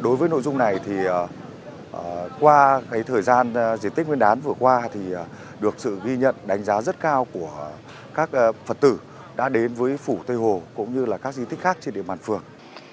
đối với nội dung này thì qua thời gian di tích nguyên đán vừa qua thì được sự ghi nhận đánh giá rất cao của các phật tử đã đến với phủ tây hồ cũng như là các di tích khác trên địa bàn phường